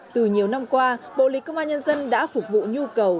từ nhiều năm qua bộ lịch công an nhân dân đã phục vụ nhu cầu